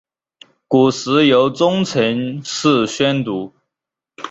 古时由中臣式宣读。